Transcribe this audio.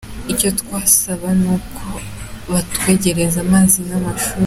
Icyo twasaba ni uko batwegereza amazi n’amashuri.